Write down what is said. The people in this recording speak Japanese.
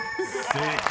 ［正解。